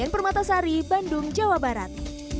dan permata sari bandung jawa barat